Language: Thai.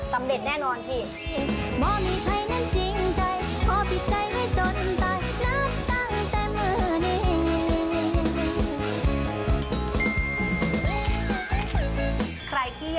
สำเร็จแน่นอนพี่